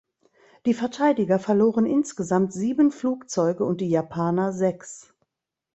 Die Verteidiger verloren insgesamt sieben Flugzeuge und die Japaner sechs.